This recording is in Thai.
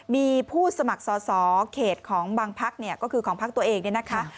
มีผู้สมัครสอบเขตของบางพักก็คือของพักตัวเองนะคะ